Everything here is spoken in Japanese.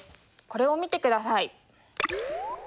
これを見てください。